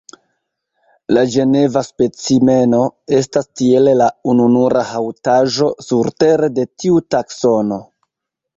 La ĝeneva specimeno estas tiele la ununura haŭtaĵo surtere de tiu taksono.